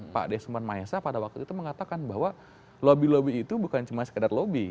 pak desman maesa pada waktu itu mengatakan bahwa lobby lobby itu bukan cuma sekedar lobby